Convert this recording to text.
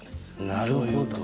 なるほど。